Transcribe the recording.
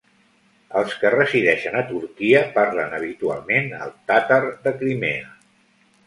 Els que resideixen a Turquia parlen habitualment el tàtar de Crimea.